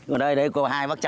ở đây đây cô hai bác cháu